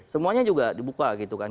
semuanya juga dibuka gitu kan